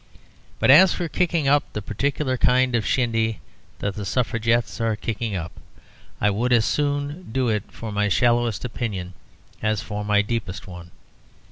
But as for kicking up the particular kind of shindy that the Suffragettes are kicking up, I would as soon do it for my shallowest opinion as for my deepest one.